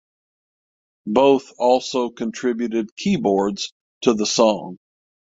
Both also contributed keyboards to the song.